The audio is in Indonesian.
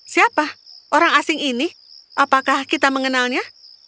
siapa orang asing ini apakah kita mengenalnya